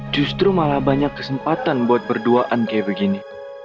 justru malah banyak kesempatan buat berduaan kayak begini